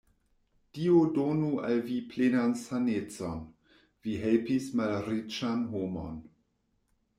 Dio donu al vi plenan sanecon! vi helpis malriĉan homon.